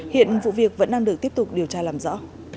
hiện vụ việc vẫn đang được tiếp tục điều tra làm rõ